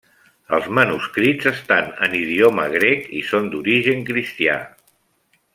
Els manuscrits estan en idioma grec i són d'origen cristià.